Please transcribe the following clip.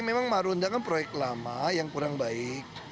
memang marunda kan proyek lama yang kurang baik